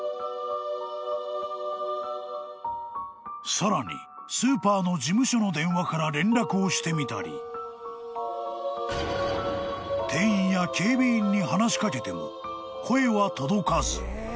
☎［さらにスーパーの事務所の電話から連絡をしてみたり店員や警備員に話し掛けても声は届かず］